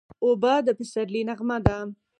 اوبه د پسرلي نغمه ده.